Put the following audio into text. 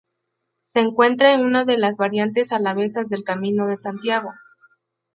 Se encuentra en una de las variantes alavesas del Camino de Santiago.